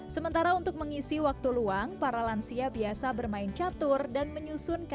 sementara untuk mengisi waktu luang para lansia biasa bermain catur dan menyusun